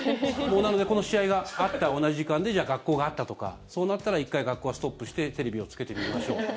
なのでこの試合があった同じ時間でじゃあ、学校があったとかそうなったら１回、学校はストップしてテレビをつけて見ましょうとか。